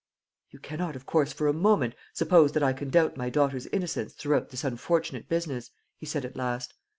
"You cannot, of course, for a moment suppose that I can doubt my daughter's innocence throughout this unfortunate business," he said at last.